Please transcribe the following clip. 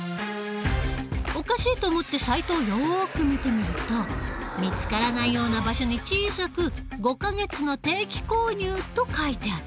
おかしいと思ってサイトをよく見てみると見つからないような場所に小さく５か月の定期購入と書いてあった。